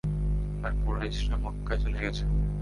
আর কুরাইশরা মক্কায় চলে গেছে।